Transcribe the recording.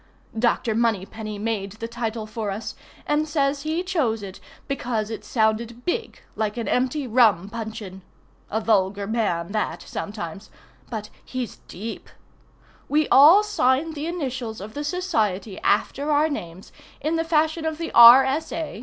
Dr. Moneypenny made the title for us, and says he chose it because it sounded big like an empty rum puncheon. (A vulgar man that sometimes—but he's deep.) We all sign the initials of the society after our names, in the fashion of the R. S. A.